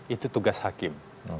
itu tugas hakim